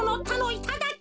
いただき。